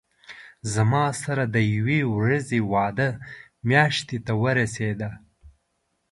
زما سره د یوې ورځې وعده میاشتې ته ورسېده.